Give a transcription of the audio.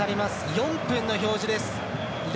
４分の表示です。